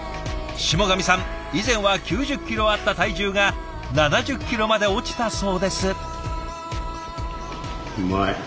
霜上さん以前は９０キロあった体重が７０キロまで落ちたそうです。